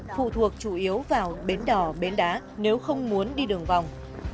phụ thuộc chủ yếu vào bến đỏ bến đá nếu không muốn đi đường vòng